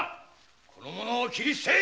この者を斬り捨てい！